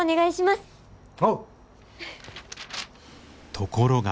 ところが。